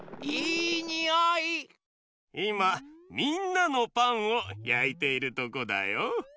いまみんなのパンをやいているとこだよ。